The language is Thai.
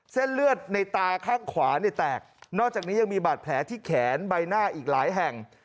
เส้นเลือดในตาข้างขวาเนี่ยแตกนอกจากนี้ยังมีบาดแผลที่แขนใบหน้าอีกหลายแห่ง